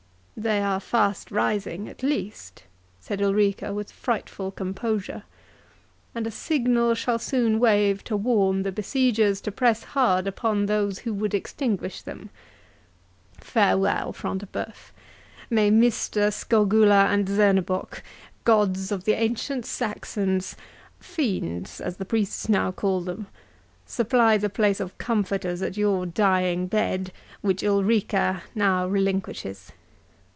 "They are fast rising at least," said Ulrica, with frightful composure; "and a signal shall soon wave to warn the besiegers to press hard upon those who would extinguish them.—Farewell, Front de Bœuf!—May Mista, Skogula, and Zernebock, gods of the ancient Saxons—fiends, as the priests now call them—supply the place of comforters at your dying bed, which Ulrica now relinquishes!